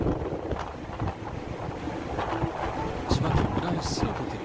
千葉県浦安市のホテル。